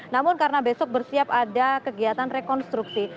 namun karena besok bersiap ada kegiatan rekonstruksi